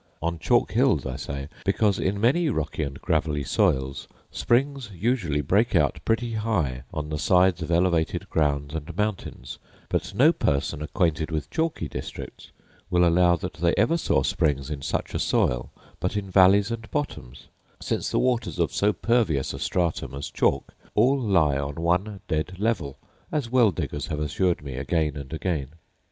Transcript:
On chalk hills I say, because in many rocky and gravelly soils springs usually break out pretty high on the sides of elevated grounds and mountains; but no person acquainted with chalky districts will allow that they ever saw springs in such a soil but in valleys and bottoms, since the waters of so pervious a stratum as chalk all lie on one dead level, as well diggers have assured me again and again.